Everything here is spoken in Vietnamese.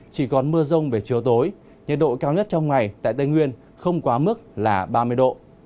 chỉ còn mưa rông về chiều tối nhiệt độ cao nhất trong ngày tại tây nguyên không quá mức là ba mươi độ